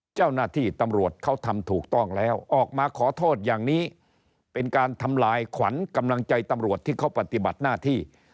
เจ้าหน้าที่ตำรวจเขาทำถูกต้องแล้วออกมาขอโทษอย่างนี้เป็นการทำลายขวัญกำลังใจตำรวจที่เขาปฏิบัติหน้าที่